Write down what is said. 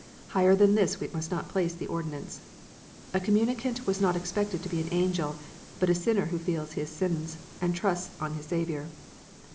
Higher than this we must not place the ordin ance. A communicant was not expected to be an angel, but a sinner who feels his sins, and trusts in his Saviour.